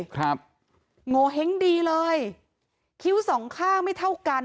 โงเห้งดีเลยคิ้วสองข้างไม่เท่ากัน